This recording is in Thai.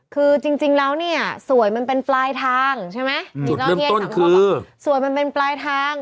คือจริงแล้วเนี่ยสวยมันเป็นปลายทางใช่ไหมสวยมันเป็นปลายทาง